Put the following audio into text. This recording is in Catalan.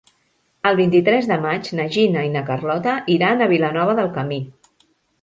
El vint-i-tres de maig na Gina i na Carlota iran a Vilanova del Camí.